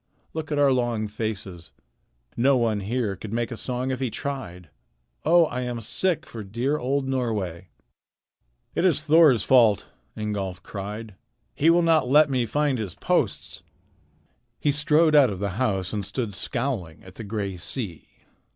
Look at our long faces. No one here could make a song if he tried. Oh! I am sick for dear old Norway." "It is Thor's fault," Ingolf cried. "He will not let me find his posts." He strode out of the house and stood scowling at the gray sea.